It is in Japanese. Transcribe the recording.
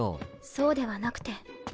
そうではなくて。